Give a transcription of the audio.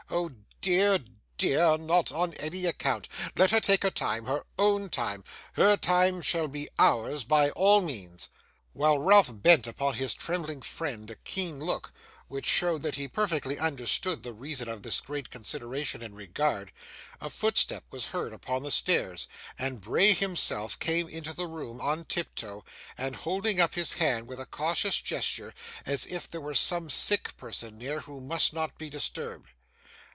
Oh dear, dear, not on any account. Let her take her time her own time. Her time shall be ours by all means.' While Ralph bent upon his trembling friend a keen look, which showed that he perfectly understood the reason of this great consideration and regard, a footstep was heard upon the stairs, and Bray himself came into the room on tiptoe, and holding up his hand with a cautious gesture, as if there were some sick person near, who must not be disturbed.